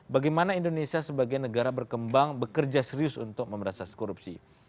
bagaimana indonesia sebagai negara berkembang bekerja serius untuk memberantas korupsi